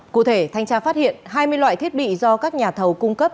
cụ thể thanh tra phát hiện hai mươi loại thiết bị do các nhà thầu cung cấp